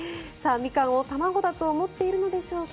ミカンを卵だと思っているのでしょうか。